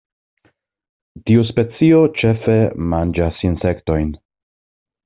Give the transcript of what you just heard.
Tiu specio ĉefe manĝas insektojn.